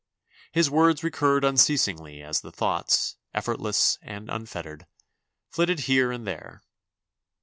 His words recurred unceasingly as the thoughts, effortless and unfettered, flitted here and there.